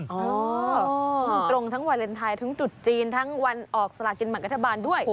ตรงทั้งวาเลนไทยทั้งจุดจีนทั้งวันออกสลากินแบ่งรัฐบาลด้วย